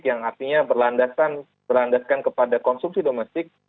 yang artinya berlandaskan kepada konsumsi domestik